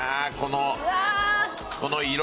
この色！